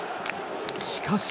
しかし。